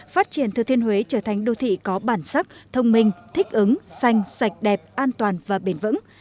phát triển thừa thiên huế trở thành đô thị có bản sắc thông minh thích ứng xanh sạch đẹp an toàn và bền vững